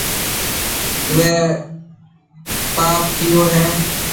اوَي پاپ ڪيئو هيَ۔